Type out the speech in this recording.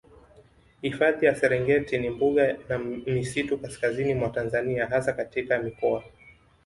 Hifadhi ya Serengeti ni mbuga na misitu kaskazini mwa Tanzania hasa katika mikoa